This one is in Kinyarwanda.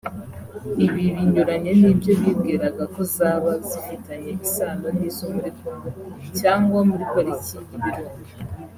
Ibi binyuranye n’ibyo bibwiraga ko zaba zifitanye isano n’izo muri Congo cyangwa muri pariki y’Ibirunga